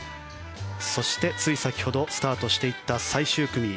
そして、つい先ほどスタートしていった最終組。